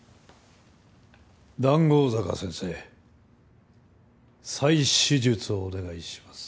談合坂先生再手術をお願いします。